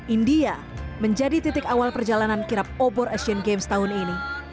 india menjadi titik awal perjalanan kirap obor asian games tahun ini